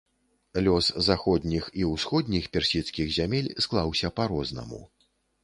Лёс заходніх і ўсходніх персідскіх зямель склаўся па-рознаму.